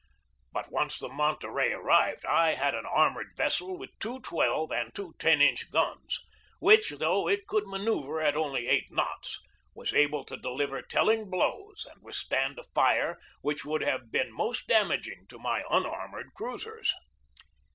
But once the Monterey arrived I had an armored vessel with two 12 and two 10 inch guns, which, though it could manoeuvre at only eight knots, was able to deliver telling blows and withstand a fire which would have been most damaging to my un armored cruisers.